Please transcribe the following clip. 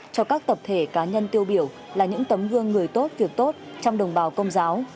cho các tập thể cá nhân tiêu biểu là những tấm gương người tốt việc tốt trong đồng bào công giáo